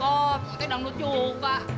otanya dangdut juga